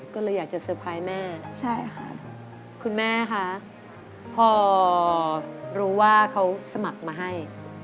ก็เลยอยากจะเตอร์ไพรส์แม่ใช่ค่ะคุณแม่คะพอรู้ว่าเขาสมัครมาให้